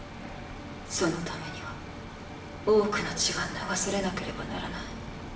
そのためには多くの血が流されなければならない。